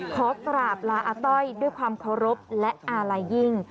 ขอกราบลาอาต้อยด้วยความเคารพและอาลัยยิ่ง